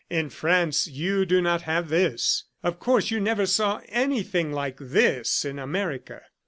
"In France, you do not have this," "Of course, you never saw anything like this in America."